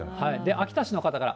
秋田市の方から。